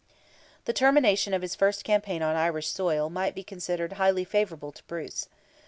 This termination of his first campaign on Irish soil might be considered highly favourable to Bruce.